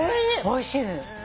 おいしいのよ。